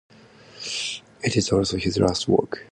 It is also his last work.